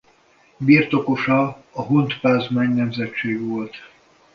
Birtokosa a Hontpázmány nemzetség volt.